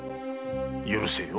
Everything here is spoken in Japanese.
許せよ。